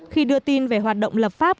khi đưa tin về hoạt động lập pháp